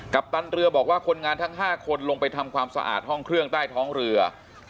ปตันเรือบอกว่าคนงานทั้ง๕คนลงไปทำความสะอาดห้องเครื่องใต้ท้องเรือ